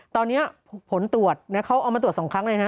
ตอนนี้ผลตรวจเขาเอามาตรวจ๒ครั้งเลยนะ